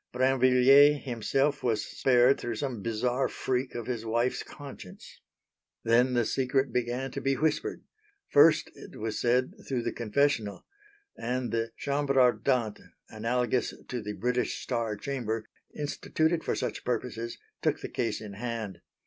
Brinvilliers himself was spared through some bizarre freak of his wife's conscience. Then the secret began to be whispered first, it was said, through the confessional; and the Chambre Ardente, analogous to the British Star Chamber, instituted for such purposes, took the case in hand.